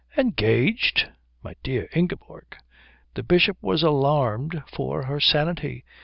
"Engaged? My dear Ingeborg." The Bishop was alarmed for her sanity.